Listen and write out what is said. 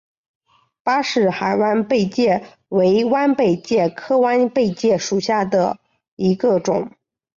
巴士海弯贝介为弯贝介科弯贝介属下的一个种。